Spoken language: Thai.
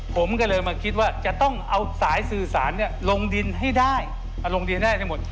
ผมก็เลยมาคิดว่าจะต้องเอาสายสื่อสารลงดินให้ได้มาลงดินได้ให้หมด